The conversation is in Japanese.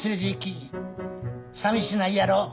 さみしないやろ。